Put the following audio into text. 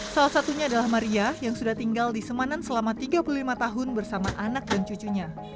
salah satunya adalah maria yang sudah tinggal di semanan selama tiga puluh lima tahun bersama anak dan cucunya